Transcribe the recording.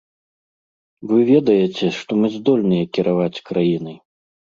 Вы ведаеце, што мы здольныя кіраваць краінай.